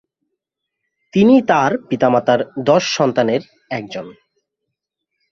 তিনি তার পিতামাতার দশ সন্তানের একজন।